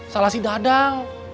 salah si dadang